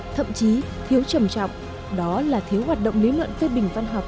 thậm chí thiếu trầm trọng đó là thiếu hoạt động lý luận phê bình văn học